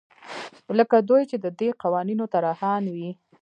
لکه دوی چې د دې قوانینو طراحان وي.